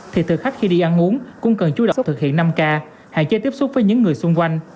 thì thực khách khi đi ăn uống cũng cần chú động thực hiện năm k hạn chế tiếp xúc với những người xung quanh